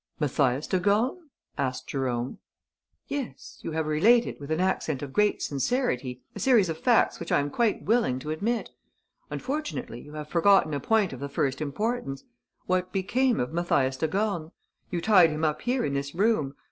"Mathias de Gorne?" asked Jérôme. "Yes. You have related, with an accent of great sincerity, a series of facts which I am quite willing to admit. Unfortunately, you have forgotten a point of the first importance: what became of Mathias de Gorne? You tied him up here, in this room.